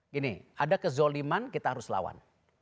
gini ada kezoliman kita harus lawan